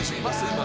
今」